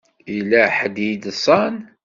Yella ḥedd i yeḍsan.